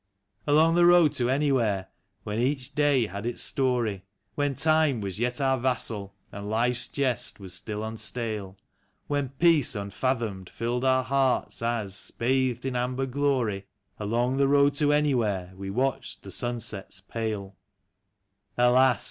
Along the road to Anywhere, Avhen each day had its story; When time was yet our vassal, and life's Jest was still unstale; When peace unfathomed filled our hearts as, bathed in amber glory, Along the road to Anywhere we watched the sunsets pale. 82 THE TRAMPS. Alas